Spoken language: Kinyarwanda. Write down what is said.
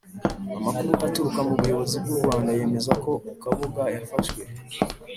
Amakuru aturuka mu buyobozi bw u Rwanda yemeza ko kabuga yafashwe